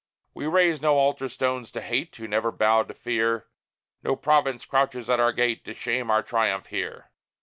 We raise no altar stones to Hate, Who never bowed to Fear: No province crouches at our gate, To shame our triumph here.